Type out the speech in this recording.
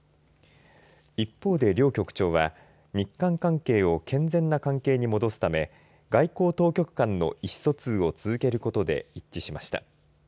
一方で、両局長は日韓関係を健全な関係に戻すため外交当局間の意思疎通を続けることで一致しました。